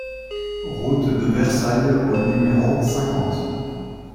Route de Versailles au numéro cinquante